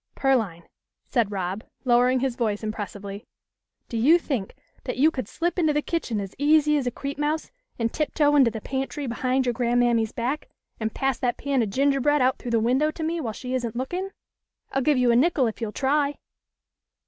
" Pearline," said Rob, lowering his voice impress ively, "do you think that you could slip into the kitchen as e easy as a creep mouse and tiptoe into 'he pantry behind your gran' mammy's back and pass that pan of gingerbread out through the window to me while she isn't looking ? I'll give you a nickel if you'll try."